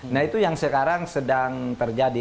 nah itu yang sekarang sedang terjadi